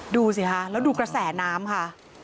ดูสิคะแล้วดูกระแสน้ำค่ะ